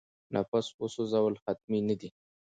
نفس وسوځول حتمي نه دي.